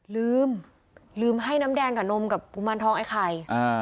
ลืมลืมให้น้ำแดงกับนมกับกุมารทองไอ้ไข่